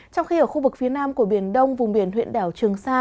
trong khi ở khu vực phía nam của biển đông vùng biển huyện đảo trường sa